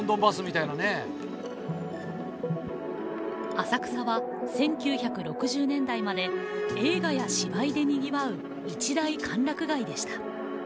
浅草は１９６０年代まで映画や芝居でにぎわう一大歓楽街でした。